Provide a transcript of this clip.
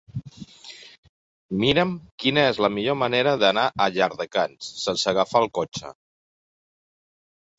Mira'm quina és la millor manera d'anar a Llardecans sense agafar el cotxe.